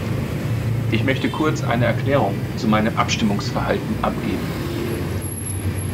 Ich möchte kurz eine Erklärung zu meinem Abstimmungsverhalten abgeben.